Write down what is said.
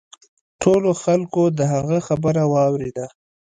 ټولو خلکو د هغه خبره واوریده.